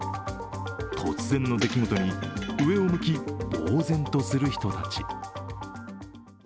突然の出来事に上を向き、ぼう然とする人たち。